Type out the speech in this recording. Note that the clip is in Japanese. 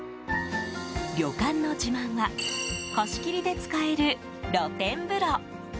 旅館の自慢は貸し切りで使える露天風呂。